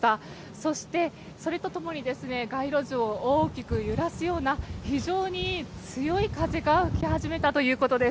そして、それと共に街路樹を大きく揺らすような非常に強い風が吹き始めたということです。